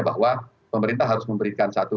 bahwa pemerintah harus memberikan satu